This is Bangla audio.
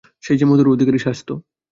সেই যে মধু অধিকারী সাজত।